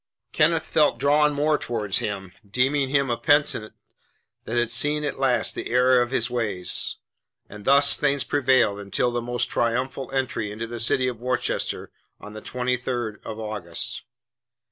Kenneth felt drawn more towards him, deeming him a penitent that had seen at last the error of his ways. And thus things prevailed until the almost triumphal entry into the city of Worcester on the twenty third of August.